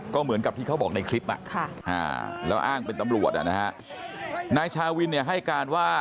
ก็เหมือนกับที่เขาบอกในคลิปแล้วอ้างเป็นตำรวจนายชาวินเนี่ยให้การว่า